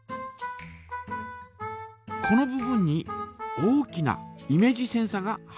この部分に大きなイメージセンサが入っています。